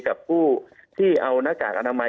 กับผู้ที่เอาหน้ากากอนามัย